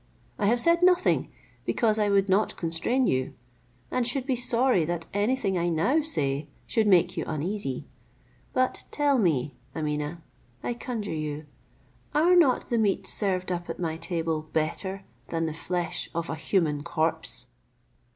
I have said nothing, because I would not constrain you, and should be sorry that any thing I now say should make you uneasy; but tell me, Ameeneh, I conjure you, are not the meats served up at my table better than the flesh of a human corpse?"